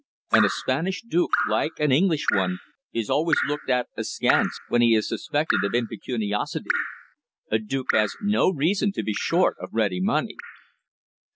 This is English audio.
And a Spanish duke, like an English one, is always looked at askance when he is suspected of impecuniosity. A Duke has no reason to be short of ready money.